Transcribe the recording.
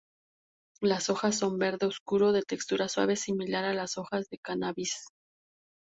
Las hojas son verde oscuro de textura suave similar a las hojas de cannabis.